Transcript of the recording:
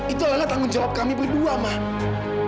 itulah lah tanggung jawab kami berdua mak